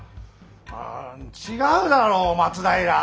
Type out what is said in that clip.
あ違うだろう松平！